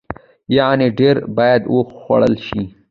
يعنې ډیر باید وخوړل شي.